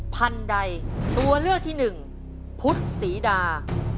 พันใดตัวเลือกที่๑พุธสีดา